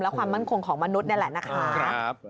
และความมั่นคงของมนุษย์นี่แหละนะคะ